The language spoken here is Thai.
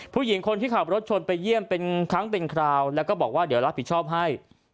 ผู้หญิงคนที่ขับรถชนไปเยี่ยมเป็นครั้งเป็นคราวแล้วก็บอกว่าเดี๋ยวรับผิดชอบให้